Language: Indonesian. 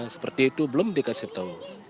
seperti itu belum dikasih tahu